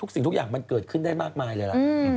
สิ่งทุกอย่างมันเกิดขึ้นได้มากมายเลยล่ะ